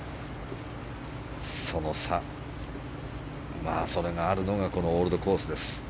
その差、それがあるのがこのオールドコースです。